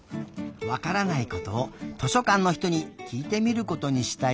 わからないことを図書かんのひとにきいてみることにしたよ。